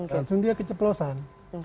langsung dia keceplosan